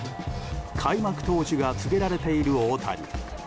開幕投手が告げられている大谷。